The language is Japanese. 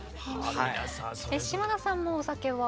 島田さんもお酒は？